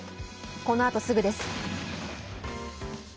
このあとすぐです。